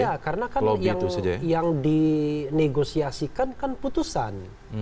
iya karena kan yang dinegosiasikan kan putusan